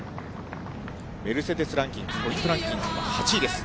メルセデスランキング、ポイントランキングは８位です。